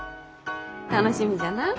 楽しみじゃな。